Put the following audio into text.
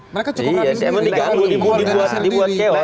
mereka cukup rapi sendiri